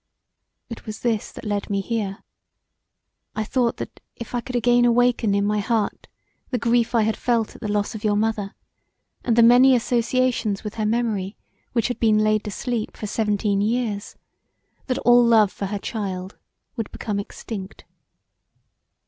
It was this that led me here: I thought that if I could again awaken in my heart the grief I had felt at the loss of your mother, and the many associations with her memory which had been laid to sleep for seventeen years, that all love for her child would become extinct.